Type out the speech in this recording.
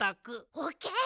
オッケー。